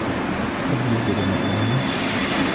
هل يوجد ماء هنا؟